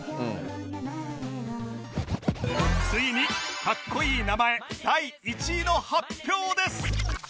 ついにカッコいい名前第１位の発表です